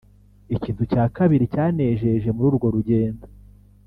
Ikintu cya kabiri cyanejeje muri urwo rugendo